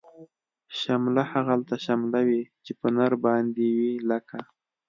شمله هغلته شمله وی، چه په نرباندی وی لکه